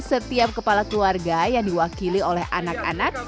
setiap kepala keluarga yang diwakili oleh anak anak